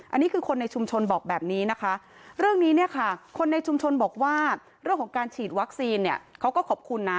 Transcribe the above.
อันนี้คือคนในชุมชนบอกแบบนี้นะคะเรื่องนี้เนี่ยค่ะคนในชุมชนบอกว่าเรื่องของการฉีดวัคซีนเนี่ยเขาก็ขอบคุณนะ